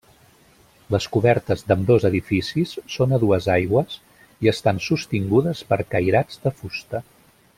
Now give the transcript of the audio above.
Les cobertes d'ambdós edificis són a dues aigües i estan sostingudes per cairats de fusta.